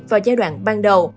vào giai đoạn ban đầu